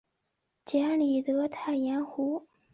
杰里德大盐湖。